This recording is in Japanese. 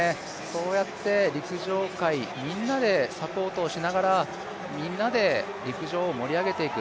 そうやって陸上界、みんなでサポートをしながら、みんなで陸上を盛り上げていく。